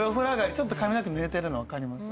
髪の毛ぬれてるの分かります？